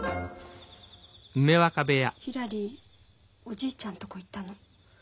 ひらりおじいちゃんとこ行ったの。